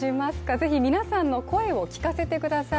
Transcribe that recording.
ぜひ皆さんの声を聞かせてください。